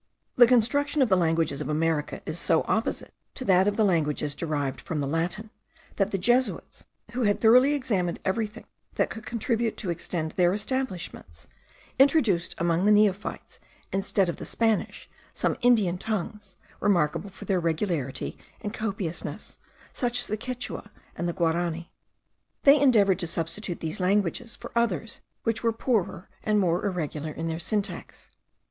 The construction of the languages of America is so opposite to that of the languages derived from the Latin, that the Jesuits, who had thoroughly examined everything that could contribute to extend their establishments, introduced among their neophytes, instead of the Spanish, some Indian tongues, remarkable for their regularity and copiousness, such as the Quichua and the Guarani. They endeavoured to substitute these languages for others which were poorer and more irregular in their syntax.